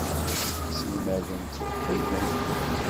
Iselmaden ttwaḥiden.